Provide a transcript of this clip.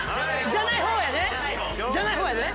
じゃない方やね？